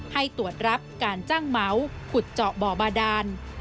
ให้ตรวจรับการจ้างเหมาขุดเจาะบ่อบาดาน